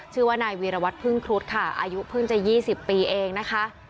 ชื่อว่านายวีรวัตรพึ่งครุฑค่ะอายุเพิ่งจะ๒๐ปีเองนะคะ